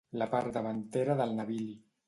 La part davantera del navili.